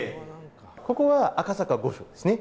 ここは赤坂御所ですね。